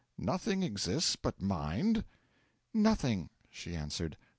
'Nothing exists but Mind?' 'Nothing,' she answered.